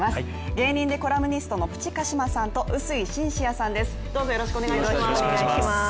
芸人でコラムニストのプチ鹿島さんと薄井シンシアさんです。